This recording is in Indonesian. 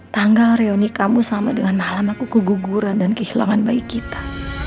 tanggal reuni kamu sama dengan halaman aku keguguran dan kehilangan baik kita